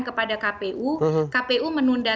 kepada kpu kpu menunda